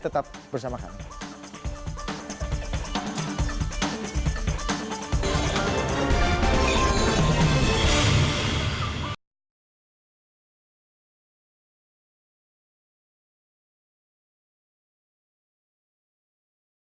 tetap bersama kami